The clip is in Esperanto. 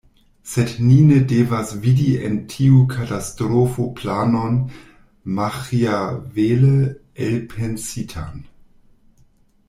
Sed ni ne devas vidi en tiu katastrofo planon maĥiavele elpensitan.